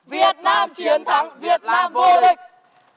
việt nam chiến thắng việt nam vô địch